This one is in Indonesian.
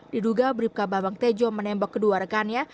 diduga bribka babang tejo menembak kedua rekannya